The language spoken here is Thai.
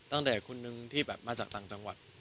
ตั้งแต่คุณหนึ่งที่มาจากต่างจังหวัด